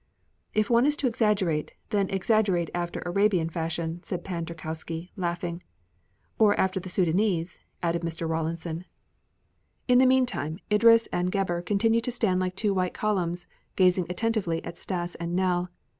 "If one is to exaggerate, then exaggerate after the Arabian fashion," said Pan Tarkowski, laughing. "Or after the Sudânese," added Mr. Rawlinson. In the meantime Idris and Gebhr continued to stand like two white columns, gazing attentively at Stas and Nell.